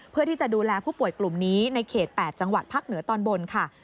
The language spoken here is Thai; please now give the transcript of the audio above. เพื่อที่จะดูแลผู้ป่วยกลุ่มนี้ในเขต๘จังหวัดภาคเหนือตอนบนค่ะ